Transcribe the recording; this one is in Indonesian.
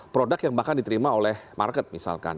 produk yang bahkan diterima oleh market misalkan